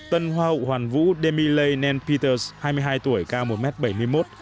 tân hoa hậu hoàn vũ demi lê nen peters hai mươi hai tuổi cao một m bảy mươi một